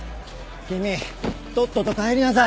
君とっとと帰りなさい。